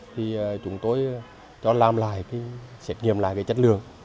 thì chúng tôi sẽ nghiêm lại chất lượng